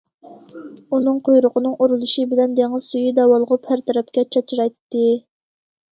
ئۇنىڭ قۇيرۇقىنىڭ ئۇرۇلۇشى بىلەن دېڭىز سۈيى داۋالغۇپ ھەر تەرەپكە چاچرايتتى.